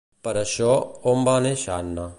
Per això, on va néixer Anna?